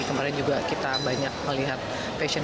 kemarin juga kita banyak melihat fashion